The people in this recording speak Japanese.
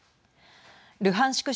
ルハンシク